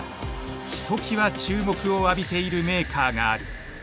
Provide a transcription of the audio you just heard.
ひときわ注目を浴びているメーカーがある。